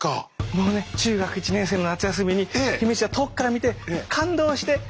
もうね中学１年生の夏休みに姫路城を遠くから見て感動してこうなりました。